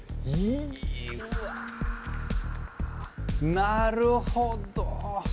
なるほど。